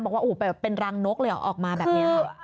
บอกว่าเป็นรังนกเลยออกมาแบบนี้